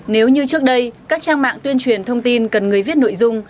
nếu như trước đây các trang mạng tuyên truyền thông tin cần người viết nội dung